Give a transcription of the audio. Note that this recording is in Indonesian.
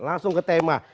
langsung ke tema